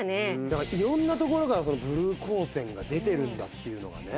だから色んなところからブルー光線が出てるんだっていうのがね。